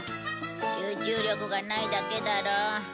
集中力がないだけだろ。